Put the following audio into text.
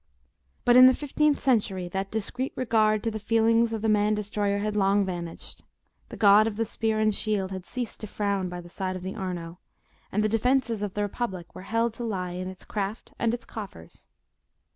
But in the fifteenth century that discreet regard to the feelings of the Man destroyer had long vanished: the god of the spear and shield had ceased to frown by the side of the Arno, and the defences of the Republic were held to lie in its craft and its coffers.